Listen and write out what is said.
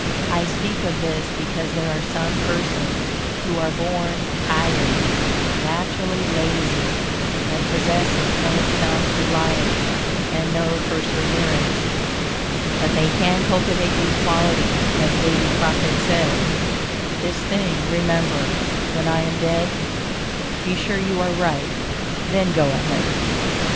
I speak of this because there are some persons who are "born tired;" naturally lazy and possessing no self reliance and no perseverance. But they can cultivate these qualities, as Davy Crockett said: "This thing remember, when I am dead: Be sure you are right, then go ahead."